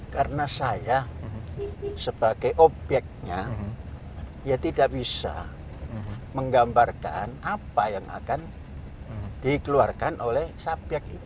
karena saya sebagai obyeknya ya tidak bisa menggambarkan apa yang akan dikeluarkan oleh subyek itu